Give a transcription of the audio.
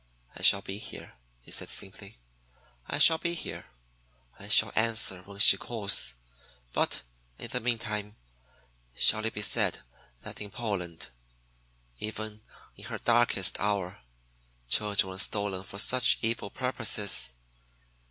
"I shall be here," he said simply. "I shall be here, I shall answer when she calls, but in the meantime shall it be said that in Poland, even in her darkest hour, children were stolen for such evil purposes?